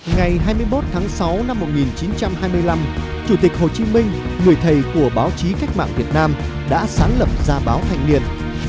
ngày hai mươi một tháng sáu năm một nghìn chín trăm hai mươi năm chủ tịch hồ chí minh người thầy của báo chí cách mạng việt nam đã sáng lập ra báo hạnh niên